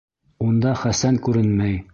Унда Хәсән күренмәй.